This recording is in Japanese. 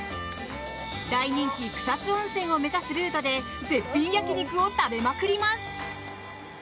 大人気草津温泉を目指すルートで絶品焼き肉を食べまくります。